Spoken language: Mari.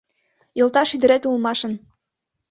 Йолташ ӱдырет улмашын.